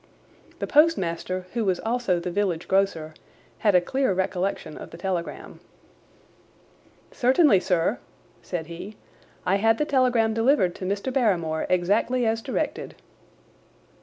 The postmaster, who was also the village grocer, had a clear recollection of the telegram. "Certainly, sir," said he, "I had the telegram delivered to Mr. Barrymore exactly as directed."